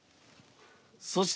そして。